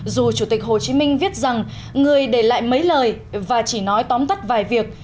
dù chủ tịch hồ chí minh viết rằng người để lại mấy lời và chỉ nói tóm tắt vài việc